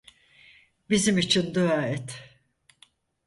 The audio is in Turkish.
Bizim için dua et.